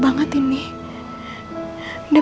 masih ada yang nunggu